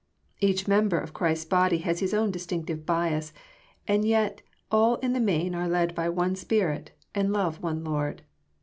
Each member of Christ's body has his own distinctive bias, and yet all in the main are led by one Spirit, and love one Lord.